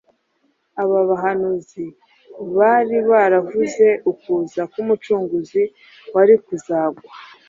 Aba bahanuzi bari baravuze ukuza k’Umucunguzi wari kuzangwa